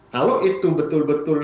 kalau itu betul betul